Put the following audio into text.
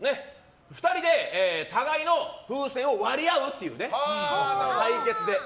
２人で互いの風船を割り合うという対決で。